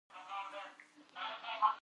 نازنين : پلاره څه چې وايې؟